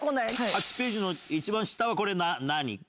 ８ページの一番下は何？